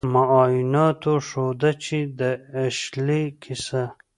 معایناتو ښوده چې د اشلي کیسه